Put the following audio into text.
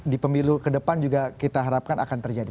di pemilu ke depan juga kita harapkan akan terjadi